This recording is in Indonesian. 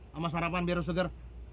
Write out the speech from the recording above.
sama sarapan biar segar